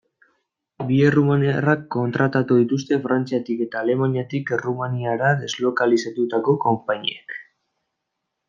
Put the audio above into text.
Bi errumaniarrak kontratatu dituzte Frantziatik eta Alemaniatik Errumaniara deslokalizatutako konpainiek.